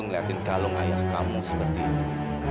ngeliatin kalong ayah kamu seperti itu